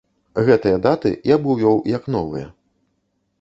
Гэтыя даты я б увёў як новыя.